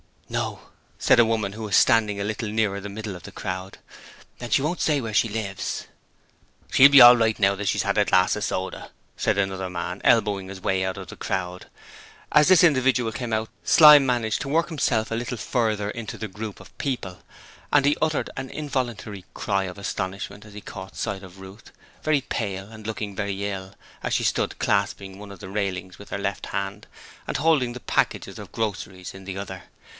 'No,' said a woman who was standing a little nearer the middle of the crowd. 'And she won't say where she lives.' 'She'll be all right now she's had that glass of soda,' said another man, elbowing his way out of the crowd. As this individual came out, Slyme managed to work himself a little further into the group of people, and he uttered an involuntary cry of astonishment as he caught sight of Ruth, very pale, and looking very ill, as she stood clasping one of the railings with her left hand and holding the packages of groceries in the other.